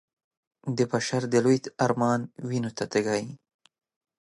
د بشر د لوی ارمان وينو ته تږی